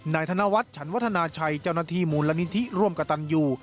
ธนวัฒน์ฉันวัฒนาชัยเจ้าหน้าที่มูลนิธิร่วมกับตันยู